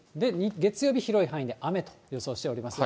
月曜日、広い範囲で雨と予想しております。